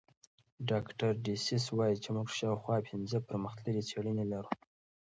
ډاکټر ډسیس وايي موږ شاوخوا پنځه پرمختللې څېړنې لرو.